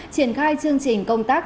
triển khai chương trình công tác